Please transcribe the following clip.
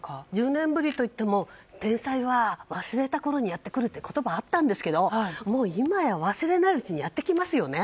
１０年ぶりといっても、天災は忘れたころにやってくるという言葉があったんですけど、今や忘れないうちにやってきますよね。